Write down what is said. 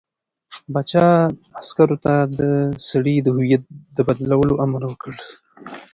پاچا عسکرو ته د سړي د هویت د بدلولو امر وکړ.